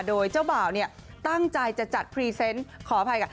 โดยเจ้าบ่าวเนี่ยตั้งใจจะจัดพรีเซนต์ขออภัยค่ะ